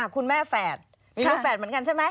คุณแม่แฝดมีลูกแฝดเหมือนกันใช่ไหม